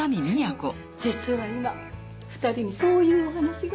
実は今２人にそういうお話が。